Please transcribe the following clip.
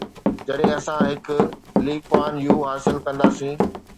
جڏهن اسان هڪ لي ڪوان يو حاصل ڪنداسين؟